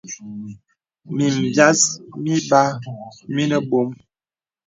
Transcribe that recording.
Mìm bìàs mìbàà mìnə bɔ̄m.